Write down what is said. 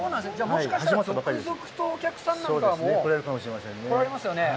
もしかしたらぞくぞくとお客さんとかも来られますよね。